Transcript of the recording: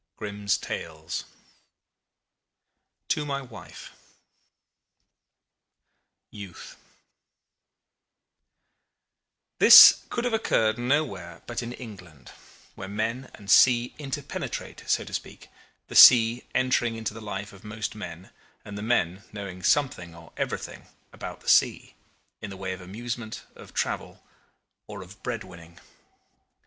GRIMM'S TALES. TO MY WIFE YOUTH This could have occurred nowhere but in England, where men and sea interpenetrate, so to speak the sea entering into the life of most men, and the men knowing something or everything about the sea, in the way of amusement, of travel, or of bread winning.